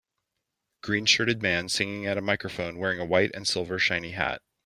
Green shirted man singing at a microphone wearing a white and silver shiny hat.